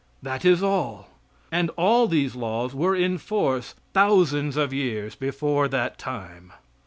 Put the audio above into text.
That is all. And all these laws were in force thousands of years before that time.